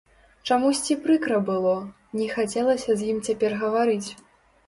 Чамусьці прыкра было, не хацелася з ім цяпер гаварыць.